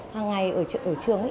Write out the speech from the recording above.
hàng ngày ở trường